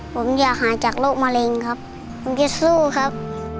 ผมอยากหายจากโรคมะเร็งครับผมจะสู้ครับ